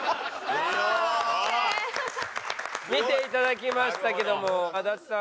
見ていただきましたけども足立さん